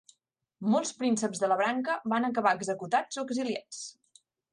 Molts prínceps de la branca van acabar executats o exiliats.